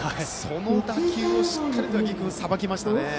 その打球をしっかりと八木君がさばきましたね。